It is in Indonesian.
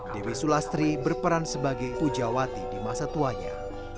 dewi sulastri berperan sebagai pujawati di masa tuanya